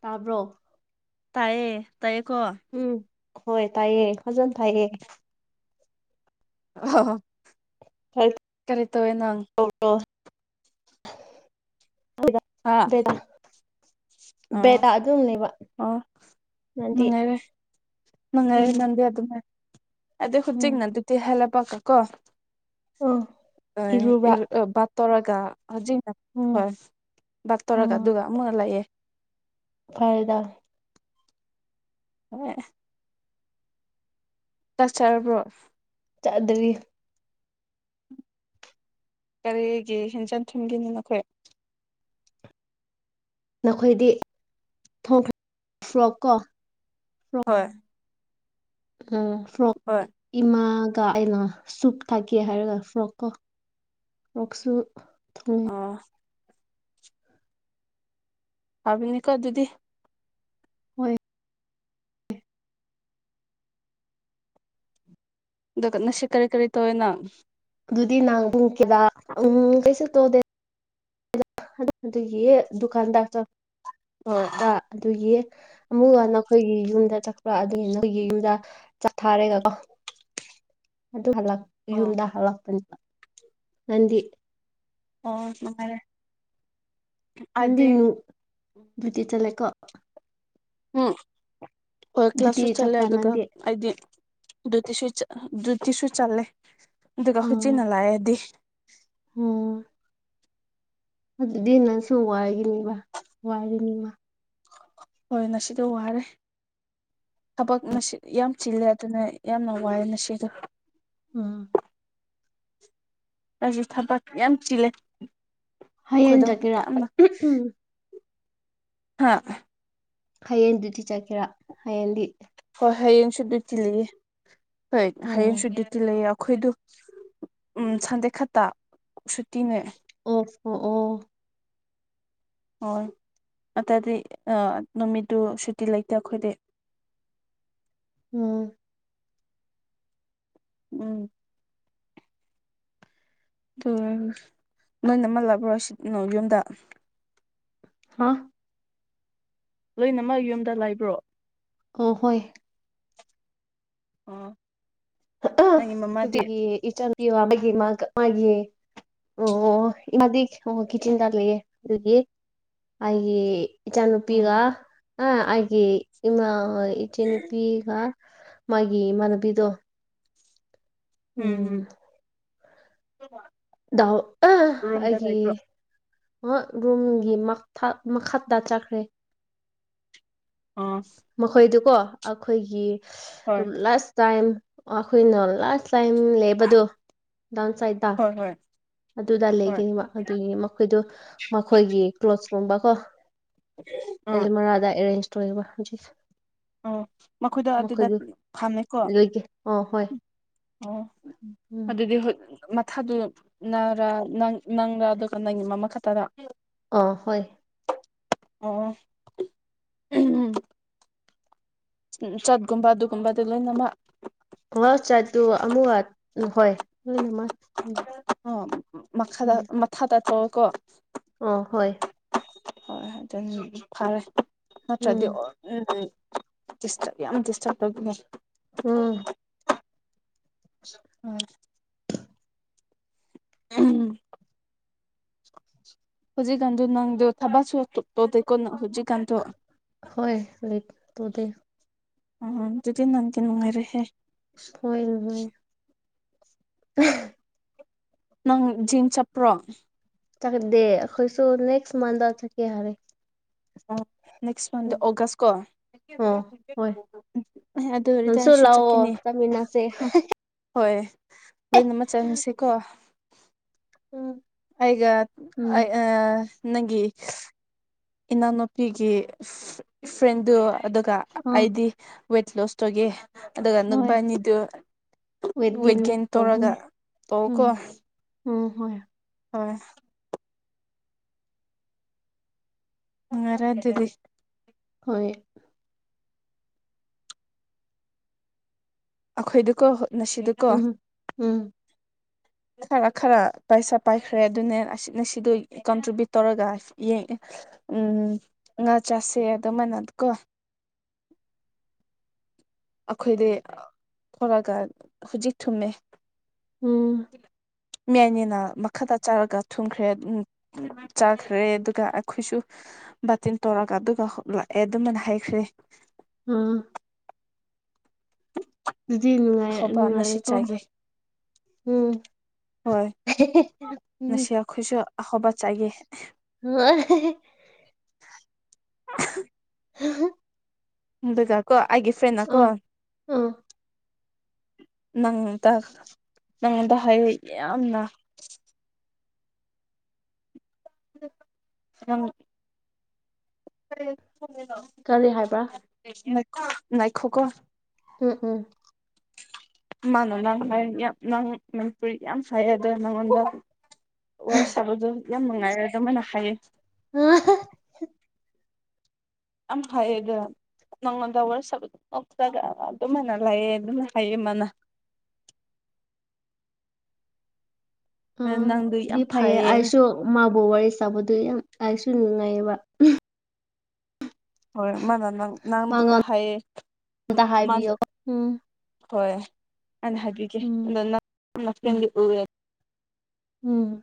ꯇꯥꯕ꯭ꯔꯣ ꯇꯑꯌꯦ ꯇꯥꯏꯌꯦꯀꯣ ꯎꯝ ꯍꯣꯏ ꯇꯥꯏꯌꯦ ꯐꯖꯅ ꯊꯥꯏꯌꯦ ꯑ ꯀꯔꯤ ꯇꯧꯋꯦ ꯅꯪ ꯍꯥꯥ ꯕꯦꯗꯥ ꯑ ꯕꯦꯗꯥ ꯑꯗꯨꯝ ꯂꯩꯕ ꯑꯣ ꯅꯪꯗꯤ ꯎꯉꯥꯏꯔꯦ ꯃꯉꯥꯏ ꯎꯝ ꯅꯗꯤ ꯑꯗꯨ ꯑꯗꯨꯝ ꯑꯗ ꯎꯝ ꯍꯧꯣꯏꯖꯤꯛꯅ ꯑꯗꯨꯗꯤ ꯍꯥꯏꯂ ꯄꯀ ꯀꯣ ꯎꯝ ꯑ ꯏꯔꯨꯕ꯭ꯔꯥ ꯏꯔ ꯇꯔꯒꯖꯤ ꯎꯝ ꯍꯣꯏ ꯥꯛ ꯇꯧꯔꯒ ꯑꯗꯨꯒ ꯑꯃꯨꯛꯀ ꯂꯥꯛꯑꯦ ꯐꯥꯏꯗ ꯍ ꯆꯠ ꯆꯔꯕ꯭ꯔꯣ ꯆꯥꯗꯕꯤ ꯀꯔꯤꯒꯤ ꯍꯦꯟꯖꯟ ꯊꯨꯝꯒꯤꯅꯤ ꯅꯈꯣꯏ ꯅꯈꯣꯏꯗꯤ ꯊꯣꯡꯈ꯭ꯔꯦ ꯐ꯭ꯂꯣꯞ ꯀꯣ ꯐ꯭ꯔꯣꯛ ꯍꯣꯏ ꯎꯝ ꯐ꯭ꯔ ꯍꯣꯏ ꯏꯃ ꯀ ꯑꯩꯅ ꯁꯨꯠ ꯊꯥꯀꯦ ꯍꯥꯏꯔꯒ ꯐ꯭ꯔꯣꯛꯀꯣ ꯐ꯭ꯔꯣꯛꯁꯨ ꯊꯂ ꯑꯣ ꯍꯥꯏꯕꯅꯤꯀꯣ ꯑꯗꯨꯗꯤ ꯍꯣꯏ ꯑꯗꯨꯒ ꯅꯁꯤ ꯀꯔꯤ ꯀꯔꯤ ꯇꯧꯋꯦꯅ ꯑꯗꯨꯗꯤ ꯅꯍꯥꯟ ꯄꯨꯡ ꯀꯦꯗ ꯎꯝ ꯀꯩꯁꯨꯛꯇꯣꯗꯦ ꯑꯗꯨꯒꯤ ꯍꯣꯏ ꯗꯨꯀꯥꯟꯗꯥꯛ꯭ꯔꯥ ꯑꯗꯨꯒꯤ ꯑꯃꯨꯛꯀ ꯅꯈꯣꯏꯒꯤ ꯌꯨꯝꯗ ꯆꯠꯄ ꯑꯗꯨꯒꯤ ꯅꯈꯣꯏꯒꯤ ꯌꯨꯝꯗ ꯆꯠꯊꯥꯔꯦꯒꯀꯣ ꯑꯗꯨ ꯑꯣ ꯌꯨꯝꯗ ꯍꯜꯂꯛꯄꯅꯦꯕ ꯅꯪꯗꯤ ꯑꯣ ꯁꯔꯦ ꯅꯗꯤꯅꯨ ꯨꯇꯤ ꯆꯂꯀꯣ ꯎꯝ ꯍꯣꯏ ꯗ꯭ꯌꯨꯇꯤ ꯀ꯭ꯂꯥꯁꯁꯨ ꯆꯠꯂꯦ ꯆꯠꯄ꯭ꯔꯥ ꯑꯗꯨꯒ ꯅꯪꯗꯤ ꯍꯥꯏꯗꯤ ꯑꯗꯨꯗꯤꯁꯨ ꯑꯗꯨꯗꯤꯁꯨ ꯆꯜꯂꯦ ꯑꯗꯨꯒ ꯍꯧꯖꯤꯟꯅ ꯂꯥꯛꯑꯗꯤ ꯍ ꯑꯗꯨꯗꯤ ꯅꯪꯁꯨ ꯋꯥꯒꯤꯅꯤꯕ ꯋꯥꯒꯤꯅꯤꯃ ꯍꯣꯏ ꯉꯁꯤꯗꯤ ꯋꯥꯔꯦ ꯊꯕꯛ ꯌꯥꯝ ꯆꯤꯜꯂꯦ ꯑꯗꯨꯅ ꯌꯥꯝꯅ ꯋꯥꯏꯑꯦ ꯃꯁꯤꯗꯣ ꯑꯥ ꯔꯁꯤ ꯊꯕ ꯌꯥꯝ ꯆꯤꯜꯂꯦ ꯍꯌꯦꯡ ꯑꯩꯈꯣꯏꯗꯣ ꯆꯒꯦꯔꯥ ꯌꯥꯝꯅ ꯎꯝ ꯍꯥ ꯍꯌꯦꯡꯗꯨꯗꯤꯤ ꯆꯠꯀꯦꯔꯥ ꯍꯌꯦꯡꯗꯤ ꯍꯌꯦꯡ ꯁꯨ ꯇꯤꯜꯂꯤ ꯍꯣꯏ ꯍꯌꯦꯡ ꯎꯝ ꯁꯨ ꯇꯤꯜꯂꯤ ꯑꯩꯈꯣꯏꯗ ꯎꯝ ꯁꯟꯗꯦ ꯈꯛꯇ ꯁꯨꯇꯤꯅꯦ ꯑꯣ ꯑꯣ ꯑꯣ ꯍꯣꯏ ꯑꯗꯨꯗꯤ ꯅꯨꯃꯤꯠꯇꯨ ꯁꯨꯇꯤ ꯂꯩꯇꯦ ꯑꯩꯈꯣꯏꯗꯤ ꯎꯝ ꯎꯝ ꯑꯗꯨ ꯅꯣꯏ ꯅꯃꯜꯂꯕ꯭ꯔꯣ ꯁꯤꯅ ꯌꯨꯝꯗ ꯍꯥ ꯂꯣꯏꯅꯃꯛ ꯌꯨꯝꯗ ꯂꯥꯏꯕ꯭ꯔꯣ ꯑꯣ ꯍꯣꯏ ꯑꯣ ꯑ ꯅꯪꯒꯤ ꯃꯃꯥꯗꯤ ꯍꯧꯒꯤ ꯏꯆ ꯄ ꯃꯥ ꯃꯥꯒꯤ ꯑꯣ ꯃꯗꯤ ꯑꯣ ꯀꯤꯆꯟꯗ ꯂꯩꯑꯦ ꯑꯗꯨꯒꯤ ꯍꯥꯏꯦ ꯎꯝ ꯏꯆꯥꯅꯨꯄꯤꯒ ꯑꯩꯒꯤ ꯏꯃꯥ ꯏꯆ ꯅꯨꯨꯄꯤꯒ ꯃꯥꯒꯤ ꯃꯅꯕꯤꯗꯨꯣ ꯎꯝ ꯍꯝ ꯎ ꯑ ꯍꯥꯏꯦ ꯔꯨꯝꯒꯤ ꯃꯈꯥꯛꯇ ꯆꯥꯈ꯭ꯔꯦ ꯑꯥ ꯃꯈꯣꯏꯗꯨꯀꯣ ꯑꯩꯈꯣꯏꯒꯤ ꯍꯣꯏ ꯂꯥꯁ ꯇꯥꯏꯝ ꯑꯩꯈꯣꯏꯅ ꯂꯥꯁ ꯇꯥꯏꯝ ꯂꯩꯕꯗꯣ ꯗꯥꯎꯟ ꯁꯥꯏꯠꯇ ꯍꯣꯏ ꯍꯣꯏ ꯑꯗꯨꯗꯥ ꯍꯣꯏ ꯂꯩꯒꯅꯤꯕ ꯑꯗꯨꯒꯤ ꯃꯈꯣꯏꯗꯣ ꯃꯈꯣꯏꯒꯤ ꯀ꯭ꯂꯣꯠꯁꯀꯨꯝꯕꯀꯣ ꯑꯥ ꯃ ꯑꯗ ꯑꯦꯔꯦꯟꯖ ꯑꯣꯏ ꯎꯝ ꯃꯈꯣꯏꯗꯣ ꯑꯗꯨꯗ ꯐꯥꯝꯃꯦꯀꯣ ꯂꯣꯏꯒꯦ ꯑꯣ ꯍꯣꯏ ꯎꯝ ꯑꯣ ꯎꯝ ꯑꯗꯨꯗꯤ ꯍ ꯃꯊꯥꯗꯨ ꯅꯔ ꯅꯪꯔ ꯑꯗꯨꯒ ꯅꯪꯒꯤ ꯃꯃꯥ ꯈꯛꯇꯗ ꯑ ꯍꯣꯏ ꯑꯣꯝ ꯎ ꯆꯠꯀꯨꯝꯕ ꯑꯗꯨꯒꯨꯝꯕꯗꯤ ꯂꯣꯏꯅꯃꯛ ꯍꯣꯏ ꯆꯠꯠꯇꯨ ꯑꯃꯨ ꯍꯣꯏ ꯂꯣꯏꯅꯃꯛ ꯎꯝ ꯑꯣ ꯃꯈꯥꯗ ꯃꯊꯥ ꯇꯥꯊꯣꯛꯑꯣꯀꯣ ꯑ ꯍꯣꯏ ꯍꯣꯏ ꯑꯗꯨ ꯐꯔꯦ ꯅꯠꯇ꯭ꯔꯗꯤ ꯎꯝ ꯎ ꯗꯤꯁꯇꯔꯕ ꯌꯥꯝ ꯗꯤꯁꯇꯔꯕ ꯇꯅꯦ ꯑꯝ ꯎꯝ ꯎꯝ ꯍꯧꯖꯤꯛꯟꯗ ꯅꯪꯗꯨꯣ ꯊꯕꯁꯨ ꯇꯣꯀꯣ ꯍꯧꯖꯤꯛ ꯍꯣꯏ ꯇꯣꯗꯤ ꯑ ꯑꯗꯨꯗꯤ ꯅ ꯇꯅꯅꯨꯡꯉꯔꯦꯦ ꯍꯣꯏꯅ ꯍꯣꯏ [inaudible] ꯅꯪ ꯖꯤꯟ ꯆꯞꯄ꯭ꯔꯣ ꯗꯦꯈꯣꯏꯁꯨ ꯅꯦꯛꯁ ꯃꯥꯟꯊ ꯊꯦ ꯍꯥꯏꯔꯦ ꯅꯦꯛꯁ ꯃꯟꯦ ꯎꯝ ꯑꯣꯒꯁꯀꯣ ꯑꯣ ꯍꯣꯏ ꯑꯗꯨ ꯑꯣꯏꯔꯗꯤ ꯅꯪꯁꯨ ꯑꯩꯁꯨ ꯂꯥꯛꯑꯣ ꯆꯠꯀꯅꯤ ꯆꯠꯃꯤꯟꯅꯁꯦ ꯑ ꯍꯣꯏ ꯂꯣꯏꯅ ꯑꯃ ꯆꯪꯁꯤꯀꯣ ꯎꯝ ꯑꯩꯒ ꯑ ꯎꯝ ꯅꯪꯒꯤ ꯏꯅꯥꯎꯅꯨꯄꯤꯒꯤ ꯐ꯭ꯔꯦꯟꯗꯨ ꯑꯗꯨꯒ ꯑꯥ ꯑꯩꯗꯤ ꯋꯦꯠ ꯂꯣꯁ ꯇꯧꯒꯦ ꯑꯗꯨꯒ ꯍꯣꯏ ꯅꯨꯕꯥꯅꯤꯗꯨ ꯋꯦꯠ ꯒꯦꯟ ꯇꯧꯔꯒ ꯇꯧꯀꯣ ꯎꯝ ꯎꯝ ꯍꯣꯏ ꯍꯣꯏ ꯑꯔꯥ ꯑꯗꯨꯗꯤ ꯍꯣꯏ ꯑꯩꯈꯣꯏꯗꯨꯀꯣ ꯉꯁꯤꯗꯨꯀꯣ ꯎꯝ ꯎꯝ ꯈꯔ ꯈꯔ ꯄꯩꯁꯥ ꯄꯥꯏꯈ꯭ꯔꯦ ꯑꯗꯨꯅꯦ ꯑꯁꯅ ꯁꯤꯗꯣ ꯀꯟꯇ꯭ꯔꯤꯕ꯭ꯌꯨꯠ ꯇꯧꯔꯒ ꯌꯦꯡꯉꯦ ꯎꯝ ꯉꯥ ꯆꯁꯦ ꯑꯗꯨ ꯃꯥꯏꯅꯗꯀꯣ ꯑꯩꯈꯣꯏꯗꯤ ꯊꯣꯔꯛꯑꯒ ꯍꯧꯖꯤꯛ ꯊꯨꯝꯃꯦ ꯎꯝ ꯍ ꯃꯏꯅꯤꯅ ꯃꯈꯥꯗ ꯆꯥꯔꯒ ꯊꯨꯝꯈ꯭ꯔꯦ ꯆꯥꯈ꯭ꯔꯦ ꯑꯗꯨꯒ ꯑꯩꯈꯣꯏꯁꯨ ꯕꯥꯆꯤꯟ ꯇꯧꯣꯔꯒ ꯑꯗꯨꯒ ꯂꯥꯛꯑꯦ ꯑꯗꯨꯃꯥꯏꯅ ꯍꯥꯏꯈ꯭ꯔꯦ ꯑꯝ ꯅꯨꯡꯉꯥꯏ ꯑꯍꯣꯕ ꯅꯨꯡꯉꯥꯏꯔꯦꯀꯣ ꯃꯁꯤꯁꯤꯠꯆꯒꯦ ꯎꯝ ꯍꯣꯏ ꯉꯁꯤ ꯑꯩꯈꯣꯏꯁꯨ ꯑꯍꯧꯕ ꯆꯥꯏꯌꯦ ꯑ [unintelligible] ꯖꯀꯣ ꯑꯩꯒꯤ ꯐ꯭ꯔꯦꯟ ꯅꯀꯣ ꯎꯝ ꯎꯝ ꯪ ꯅꯪꯉꯣꯟꯗ ꯍꯥꯏ ꯌꯥꯝꯅ ꯑꯪ ꯀꯔꯤ ꯍꯥꯏꯕ꯭ꯔꯥ ꯉꯏꯈꯣ ꯀꯣ ꯎꯝ ꯎꯝ ꯃꯥꯅ ꯅꯪ ꯐ ꯌꯥꯝ ꯅꯪ ꯃꯅꯤꯄꯨꯔꯤ ꯌꯥꯝ ꯐꯩꯌꯦ ꯑꯗ ꯅꯉꯣꯟꯗ ꯋꯥꯔ ꯁꯥꯕꯗꯣ ꯌꯥꯝ ꯅꯨꯡꯉꯥꯏꯔꯦ ꯑꯗꯨꯃꯥꯏꯅ ꯍꯥꯏꯌꯦ ꯑꯈꯩꯗ ꯅꯪꯉꯣꯟꯗꯋꯥꯔꯁꯖ ꯑꯗꯨꯃꯥꯏꯅ ꯂꯥꯏꯌꯦ ꯑꯗꯨꯝꯅ ꯍꯥꯏꯌꯦ ꯃꯥꯅ [unintelligible] ꯑ ꯅꯪꯗꯨ ꯑꯗꯨꯗꯤ ꯌꯥꯝ ꯐꯩꯌꯦ ꯑꯩꯁꯨ ꯃꯥꯕꯨ ꯋꯥꯔꯤ ꯁꯥꯕꯗꯨ ꯌꯥꯝ ꯂꯥꯏꯁꯨ ꯅꯨꯡꯉꯥꯏꯌꯦꯕ ꯍꯣꯏ ꯃꯥꯅ ꯅꯪ ꯅꯪꯕꯨꯇ ꯃꯉꯣꯟ ꯍꯥꯏꯌꯦ ꯑꯝꯇ ꯃꯥ ꯍꯥꯏꯕꯤꯌꯣ ꯎꯝ ꯍꯣꯏ ꯑꯅ ꯍꯥꯏꯕꯤꯒꯦ ꯎꯝ ꯑꯗꯣ ꯅ ꯐ ꯎꯝ ꯎ ꯎꯝ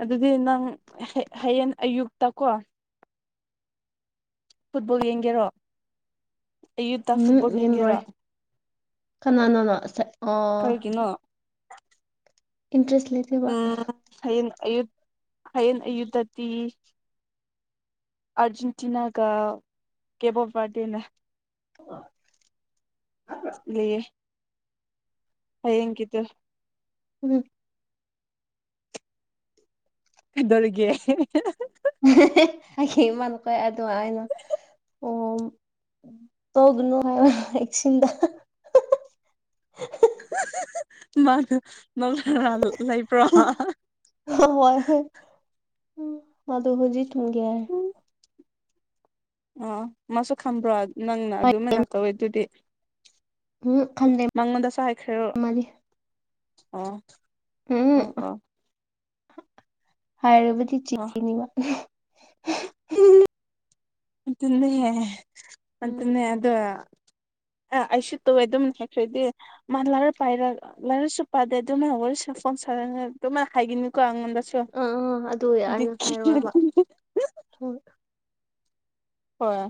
ꯑꯗꯨꯗꯤ ꯅꯪ ꯍꯌꯦꯡ ꯑꯌꯨꯛꯇ ꯀꯣ ꯐꯨꯠꯕꯣꯜ ꯌꯦꯡꯒꯦꯔꯣ ꯑꯌꯨꯇꯥ ꯐꯨꯠꯕꯣꯜ ꯎꯝ ꯌꯦꯡꯒꯦꯔꯥ ꯂꯦꯝꯔꯣꯏ ꯀꯅꯥꯅꯅꯣ ꯑꯣ ꯀꯔꯤꯒꯤꯅꯣ ꯏꯟꯇꯔꯦꯁ ꯂꯩꯇꯕ ꯎꯝ ꯍꯌꯦꯡ ꯑꯌꯨꯛ ꯑꯌꯦꯛ ꯑꯌꯨꯛꯇꯗꯤ ꯑꯔꯖꯦꯟꯇꯅꯥꯒ ꯀꯦꯞꯕꯔ ꯔꯗꯅꯒ [unintelligible] ꯑ꯭ꯔ [unintelligible] ꯍ‌ꯌ‌ꯦꯡꯒꯤꯗꫭ ꯎꯝ ꯀꯩꯗꯧꯔꯤꯒ‌ꯦ ꯍꯃ ꯀꯣꯏ ꯑꯗꯨꯗꯉꯥꯏꯅ [unintelligible] ꯑꯣ ꯇꯒꯅꯅꯨꯡ ꯍꯥ [unintelligible] ꯑ‌ꯦꯛꯁꯤꯟꯗ ꯍ [unintelligible] ꯃꯥꯒ ꯃꯃꯥ ꯂꯩꯕ꯭ꯔꫭ ꯑꯗꯣ ꯍꯧꯖꯤ ꯇꯝꯒꯦꯔ [unintelligible] ꯑꯥ ꯃꯥꯁꯨ ꯈꯝꯕ꯭ꯔꯣ ꯅꯪꯅ ꯍꯥꯏ ꯑꯗꯨꯃꯥꯏꯅ ꯀꯧꯋꯦ ꯑꯗꯨꯗꯤ ꯎꯝ ꯈꯜꯂꯦ ꯃꯉꯣꯟꯗꯁꯨ ꯍꯥꯏꯈ꯭ꯔꯦꯔꯣ ꯃꯥꯗꯤ ꯑꯣ ꯑꯥ ꯎꯝ ꯑꯥ ꯍꯥꯏꯔꯕꯗꯤ ꯑꯣ ꯆꯦꯛꯀꯅꯤ ꯃꯥ ꯃꯟꯅꯅꯦ ꯎꯝ ꯃꯗꯨꯅꯦ ꯑꯗ [unintelligible] ꯑ ꯑꯩꯁꯨ ꯇꯧꯋꯦ ꯑꯗꯨꯝ ꯍꯥꯏꯈ꯭ꯔꯗꯤ ꯃꯥ ꯂꯥꯏꯔꯤꯛ ꯄꯥꯏꯔ ꯂꯥꯏꯔꯤꯛꯁꯨ ꯄꯥꯗꯦ ꯑꯗꯨꯝ ꯃꯋꯥꯔꯤ ꯁꯐꯝ ꯑꯗꯨꯝꯃꯥꯏ ꯍꯥꯏꯒꯅꯨꯀꫭ ꯑꯩꯉꫭꯟꯗꯥ ꯑꯆꯥ ꯑꯥ ꯑꯥ ꯑꯗꯨ ꯑꯩꯅ ꯍꯥꯏꯔꯣꯏꯕ [unintelligible] ꯍꯣꯏ ꯍꯣꯏ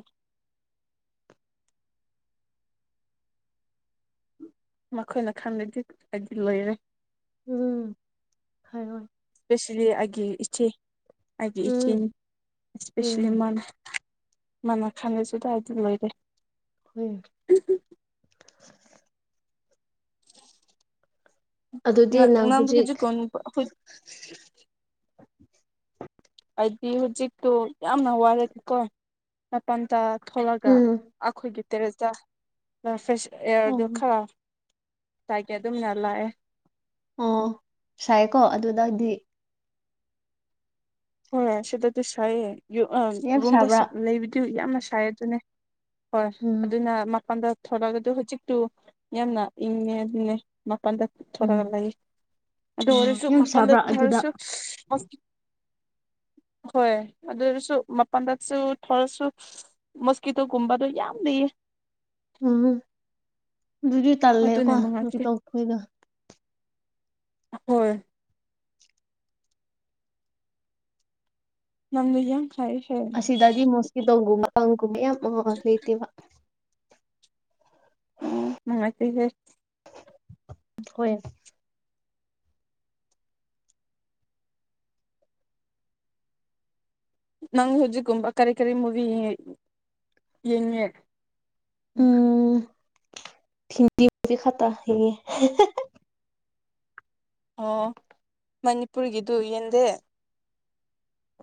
ꯃꯈꯣꯏꯅ ꯈꯟꯉꯥꯗꯤ ꯑꯩꯗꯤ ꯂꯣꯏꯔꯦ ꯎꯝ ꯍꯥꯏꯔꫭꯏ ꯏꯁꯄꯦꯁꯦꯜꯂꯤ ꯑꯒꯤ ꯏꯆꯦ ꯑꯒꯤ ꯎꯝ ꯏꯆꯦꯅꯤ ꯏꯁꯄꯦꯁꯦꯜꯂꯤ ꯎꯝ ꯃꯥꯅ ꯃꯅ ꯈꯪꯉꯁꯨ ꯑꯗꯥꯏꯗꯥ ꯂꯣꯏꯔꯦ ꯍꯣꯏ ꯑꯗꯨꯗꯤ ꯅꯪ ꯅꯪꯗꯨ ꯍꯧꯖꯤꯛ ꯀꯣꯟ ꯑꯈꫭꯏ ꯍꯥꯏꯗꯤ ꯍꯧꯖꯤꯛꯇꯣ ꯌꯥꯝꯅ ꯋꯥꯔ‌ꯦꯕꯀꯣ ꯃꯄꯥꯟꯗ ꯊꯣꯛꯂꯒ ꯎꯝ ꯑꯩꯈꯣꯏꯒꯤ ꯇꯦꯔꯦꯁꯇ ꯐ꯭ꯔꯦꯁ ꯑꯣ ꯑꯦꯌꯥꯔꯗꯣ ꯈꯔ ꯇꯥꯏꯀꯦ ꯑꯗꯨꯝꯅ ꯂꯥꯛꯑꯦ ꯑꯣ ꯁꯥꯏꯀꯣ ꯑꯗꯨꯗꯗꯤ ꯍꯣꯏ ꯁꯤꯗꯗꯤ ꯁꯥꯏꯌ‌ꯦ ꯌꯥꯝ ꯔꯨꯝꯗ ꯁꯥꯕ꯭ꯔꯥ ꯂꯩꯕꯗꯤ ꯌꯥꯝꯅ ꯁꯥꯏ ꯑꯗꯨꯅꯦ ꯍꯣꯏ ꯎꯝ ꯑꯗꯨꯅ ꯃꯄꯜꯗ ꯊꯣꯔꯛꯒ ꯑꯗꯨ ꯍꯧꯖꯤꯛꯇꯨ ꯌꯥꯝꯅ ꯏꯪꯉꯦ ꯑꯗꯨꯅꯦ ꯃ ꯃꯄꯜꯗ ꯎꯝ ꯊꯣꯔꯛꯑꯒ ꯂꯩ ꯑꯗꯨ ꯑꯣ ꯑꯣꯏꯔꯁꯨ ꯌꯥꯝ ꯃꯥꯄꯜꯗ ꯁꯥꯕ꯭ꯔꯥ ꯑꯗꯨꯗ ꯊꯥꯔꯁꯨ ꯍꫭꯁ [inaudible] ꯍꯣꯏ ꯑꯗꯨꯔꯁꯨ ꯃꯄꯜꯗꯁꯨ ꯊꯣꯔꯁꯨ ꯃꯣꯁꯀꯤꯇꯣꯒꯨꯝꯕꯗꯣ ꯌꯥꯝ ꯂꯩꯌꯦ ꯎꯝ ꯑꯗꯨꯗꯤ ꯇꯜꯂꯦꯀꯣ ꯑꯗꯨꯅ ꯑꯗꯨꯗꯤ ꯅꯨꯡꯉꯥꯏꯇꯦ ꯇꯧꯗꫭꯏꯁ‌ꯦ ꯍꯣꯏ ꯅꯪꯒ ꯌꯥꯡ ꯑꯁꯤꯗꯗꯤ ꯃꯣꯁꯀꯤꯇꯣ ꯒꯨꯝꯕ ꯀꯥꯡ ꯒꯝꯕ ꯌꯥꯝ ꯂꯩꯇꯦꯕ ꯑꯣ ꯅꯨꯉꯥꯏꯇ‌ꯦ ꯍ‌ꯦ ꯍꯣꯏ ꯅꯪ ꯍꯧꯖꯤꯛꯀꯨꯝꯕ ꯀꯔꯤ ꯀꯔꯤ ꯃꯨꯚ ꯌꯦꯡꯉꯦ ꯎꯝ [unintelligible] ꯊꯗꯤ ꯈꯇꯥ ꯍꯒ [unintelligible] ꯑꯣ ꯃꯅꯤꯄꯨꯔꯤꯒꯤꯗꯨ ꯌꯦꯟꯗꯦ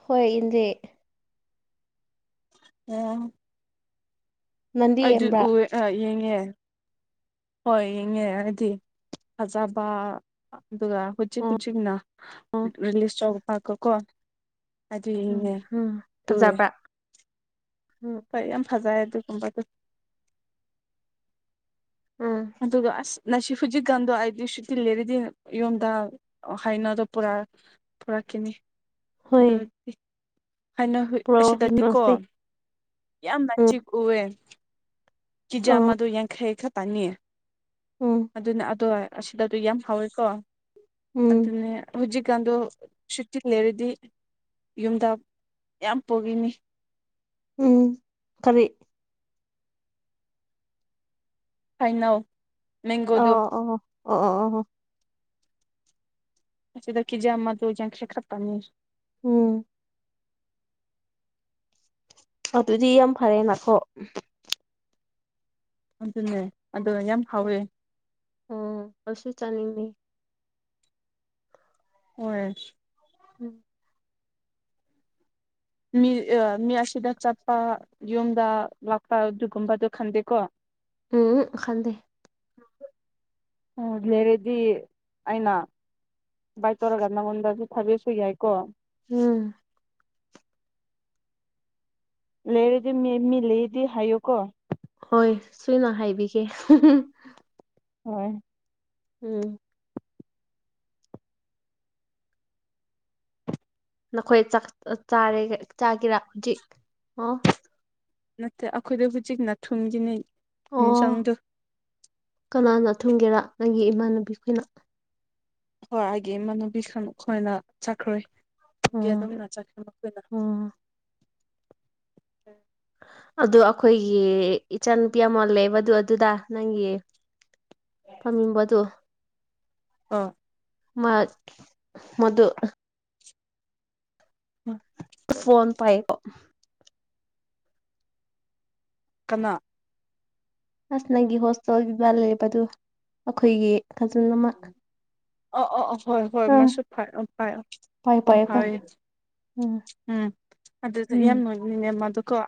ꯍꯣꯏ ꯌ‌ꯦꯟꯗ‌ꯦ ꯎꯝ ꯅꯪꯗꯤ ꯑꯩꯖꯨ ꯌꯦꯡꯕ꯭ꯔꯥ ꯎ‌ ꯑꯥ ꯌꯦꯡꯉꯦ ꯍꯣꯏ ꯌꯦꯡꯉꯦ ꯍꯥꯏꯗꯤ ꯐꯖꯕ ꯑꯗꯨꯒ ꯍꯧꯨꯖꯤꯛ ꯍꯧꯨꯖꯤꯛꯅ ꯎꯝ ꯔꯤꯂꯤꯁ ꯇ ꯄꯥꯛꯀꯣꯀꯣ ꯎꯝ ꯎꯝ ꯎꯔꯦ ꯐꯖꯥꯕ꯭ꯔ ꯍꯣꯏ ꯌꯥꯝ ꯐꯖꯩ ꯑꯗꯨꯒꯨꯝꯕꯗꯣ ꯎꯝ ꯑꯗꯨꯒ ꯑꯁ ꯉꯁꯤ ꯍꯧꯖꯤꯛꯀꯥꯟꯗꯣ ꯑꯩꯗꯤ ꯁꯨꯇꯤ ꯂꯩꯔꯗꯤ ꯌꯨꯝꯗ ꯍꯥꯏꯅꯗꯣ ꯄꯨꯔꯛꯈꯤꯅꯤ ꯗ ꯍꯣꯏ ꯍꯥꯏꯅ ꯍꯏ ꯄ꯭ꯔꯣ ꯑꯁꯤꯗꯗꯤꯀꯣ ꯌꯦꯡꯉꯁꯤ ꯌꯥꯝꯅ ꯎꯝ ꯆꯤꯛ ꯎꯑꯦ ꯀꯤ ꯖꯤ ꯑꯥ ꯑꯃꯗꯣ ꯌꯥꯡꯈꯩ ꯈ ꯇꯥꯅꯤꯌꯦ ꯎꯝ ꯑꯗꯨꯅ ꯑꯗꯣ ꯑꯁꯤꯗ ꯑꯗꯨ ꯌꯥꯝ ꯍꯥꯎꯋꯦꯀꯣ ꯎꯝ ꯑꯗꯨꯅꯦ ꯍꯧꯖꯤꯛ ꯏꯀꯥꯟꯗꯣ ꯁꯨꯛꯇꯤ ꯂꯩꯔꯗꯤ ꯌꯨꯝꯗ ꯌꯥꯝ ꯄꯣꯛꯈꯤꯅꯤ ꯎꯝ ꯈꯔꯤ ꯐꯥꯏꯅꯜ ꯑꯣ ꯑꯣ ꯑꯣ ꯆꯦꯗꯀꯤꯖꯃꯥꯗꯣ ꯌꯥ ꯈꯔꯄꯅꯤꯔ ꯎꯝ ꯑꯗꯨꯗꯤ ꯌꯥꯝ ꯐꯔꯦ ꯅꯅꯥꯈꯣ ꯑꯗꯨꯅꯦ ꯑꯗꯣ ꯌꯥꯝ ꯍꯥꯎꯋꯦ ꯑ ꯑꯁꯤꯁꯨ ꯆꯅꯤ ꯃ ꯑꯣ ꯎꯝ ꯃꯤ ꯃꯤ ꯑꯁꯤꯗ ꯆꯠꯄ ꯌꯨꯝꯗ ꯂꯥꯛꯄ ꯑꯗꯨꯒꯨꯝꯕꯗ ꯈꯟꯗꯦꯀꯣ ꯎꯝ ꯈꯪꯗꯦ ꯎ ꯂꯩꯔꯦꯗꯤ ꯑꯩꯅ ꯚꯕꯥꯏ ꯇꯧꯔꯒ ꯅꯪꯉꯣꯟꯗꯁꯨ ꯊꯥꯕꯤꯁꯨ ꯌꯥꯏꯀꯣ ꯎꯝ ꯂꯩꯔꯗꯤ ꯃꯤ ꯂꯩꯔꯗꯤ ꯍꯥꯏꯌꯨꯀꯣ ꯍꯣꯏ ꯁꯣꯏꯅ ꯍꯥꯏꯕꯤꯒꯦ ꯍꯣꯏ ꯎꯝ ꯅꯈꯣꯏꯔ ꯆꯥꯒꯦꯔꯥ ꯍꯧꯖꯤꯛ ꯑꯣ ꯅꯠꯇ ꯑꯩꯈꯣꯏꯗ ꯍꯧꯖꯤꯛ ꯅꯥꯊꯨꯝꯒꯤꯅꯤ ꯑꯣ ꯌꯦꯟꯁꯥꯡꯗ ꯀꯅꯥꯅ ꯊꯨꯡꯒꯦꯔꯥ ꯅꯪꯒꯤ ꯏꯃꯥꯟꯅꯨꯕꯤ ꯑꯩꯈꯣꯏꯅ ꯍꯣꯏ ꯑꯩꯒꯤ ꯏꯃꯥꯟꯅꯨꯕꯤ ꯈ ꯑꯣꯏꯅ ꯆꯠꯈ꯭ꯔꯣꯏ ꯒ ꯎꯝ ꯑꯗꯨꯝ ꯅꯅꯥꯆꯥ ꯈ ꯑꯃꯈꯗ ꯎꯝ ꯑꯣꯏꯅ ꯑꯗꯨ ꯑꯩꯈꯣꯏꯒꯤ ꯏꯆꯥ ꯅꯨꯨꯄꯤ ꯑꯃꯜꯂꯕꯗꯨ ꯑꯗꯨꯗ ꯅꯪꯒꯤ ꯐꯃꯤꯝꯕ ꯑꯗꯨ ꯑꯥ ꯃ ꯃꯗꯨ ꯎꯝ ꯐꯣꯟ ꯄꯌꯦ ꯀꯅꯥ ꯑꯁ ꯅꯪꯒꯤ ꯍꯣꯁꯇꯦꯜ ꯕꯥ ꯂꯩꯕꯗꯨ ꯑꯩꯈꯣꯏꯒꯤ ꯈꯖꯟ ꯑꯃ ꯑ ꯑ ꯍꯣꯏ ꯍꯣꯏ ꯑ ꯃꯁꯨ ꯐ ꯐꯔ ꯄꯥꯏ ꯄꯝ ꯄꯥꯏ ꯄꯥꯏ ꯐꯥꯎꯋꯦ ꯎꯝ ꯎꯝ ꯑꯗꯨꯗ ꯎꯝ ꯌꯦꯃꯅꯦ ꯃ ꯑꯗꯨ